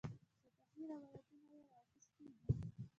شفاهي روایتونه یې را اخیستي دي.